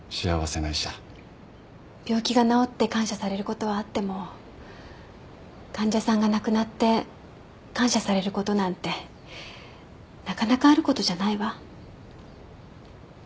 病気が治って感謝されることはあっても患者さんが亡くなって感謝されることなんてなかなかあることじゃないわ。